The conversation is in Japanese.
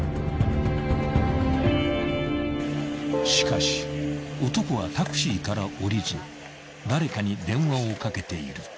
［しかし男はタクシーから降りず誰かに電話をかけている］